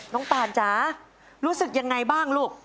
น้องปันจ๊ะรู้สึกอย่างไรบ้างลูก